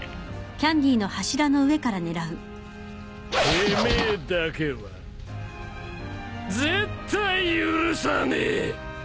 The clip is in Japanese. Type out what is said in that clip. てめえだけは絶対許さねえ！！